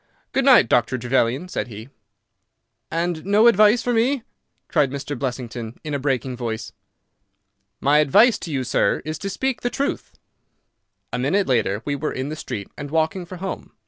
"Good night, Dr. Trevelyan," said he. "And no advice for me?" cried Blessington, in a breaking voice. "My advice to you, sir, is to speak the truth." A minute later we were in the street and walking for home.